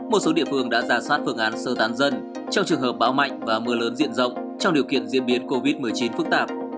một số địa phương đã giả soát phương án sơ tán dân trong trường hợp bão mạnh và mưa lớn diện rộng trong điều kiện diễn biến covid một mươi chín phức tạp